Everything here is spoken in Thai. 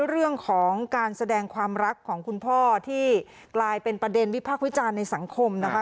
เรื่องของการแสดงความรักของคุณพ่อที่กลายเป็นประเด็นวิพากษ์วิจารณ์ในสังคมนะคะ